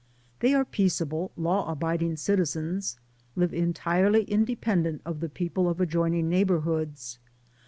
They are peaceable, law abiding citizens, live entirely independent of the people of ad joining neighborhoods.